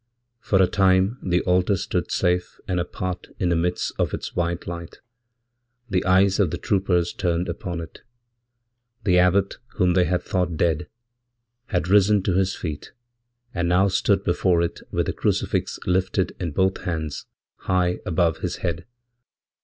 For a time the altar stood safe and apart in the midst of its whitelight; the eyes of the troopers turned upon it. The abbot whom theyhad thought dead had risen to his feet and now stood before it withthe crucifix lifted in both hands high above his head.